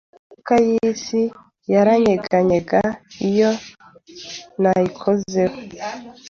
Inzoka yisi yaranyeganyega iyo nayikozeho.